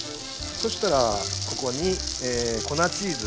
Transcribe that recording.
そしたらここに粉チーズ。